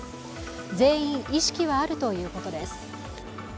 全員、意識はあるということです。